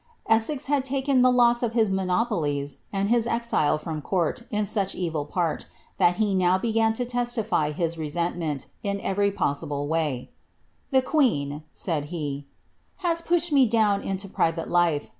Essex had taken the loss of his monopolies and his exile frt>m cooil ui such evd part, that he now began to testify his reser.tment, ia fsen possible way. " The queen," said he, " has pushed me down into pri vate life.